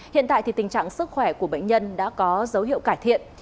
hiện tại thì tình trạng sức khỏe của bệnh nhân đã có dấu hiệu cải thiện